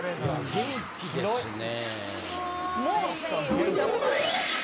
元気ですね。